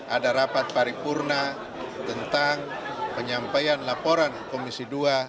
ada rapat paripurna tentang penyampaian laporan komisi dua